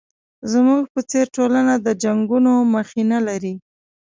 زموږ په څېر ټولنه د جنګونو مخینه لري.